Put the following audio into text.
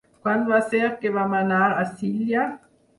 Quan va ser que vam anar a Silla?